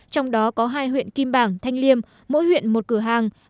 trong đó có hai huyện kim bảng thanh liêm mỗi huyện một cửa hàng